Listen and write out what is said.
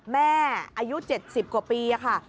แม่อายุ๗๐กว่าปีค่ะ